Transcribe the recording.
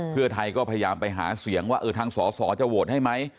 เพื่อไทยก็พยายามไปหาเสียงว่าทางสอสอจะโหวตให้ไหม